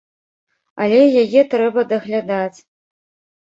Але яе трэба даглядаць.